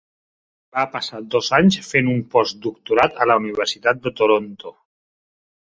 Va passar dos anys fent un postdoctorat a la Universitat de Toronto.